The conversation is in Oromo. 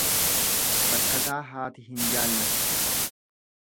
Rakkataa haati hin jaallattu.